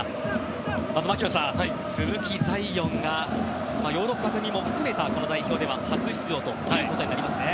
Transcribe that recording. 槙野さん、鈴木彩艶がヨーロッパ組も含めた代表では初代表ということになりますね。